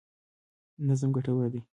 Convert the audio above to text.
نظم ګټور دی.